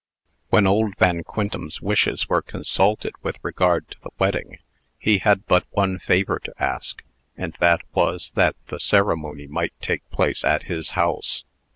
When old Van Quintem's wishes were consulted with regard to the wedding, he had but one favor to ask; and that was, that the ceremony might take place at his house.